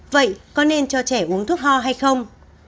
vậy có nên cho trẻ uống thuốc ho hay không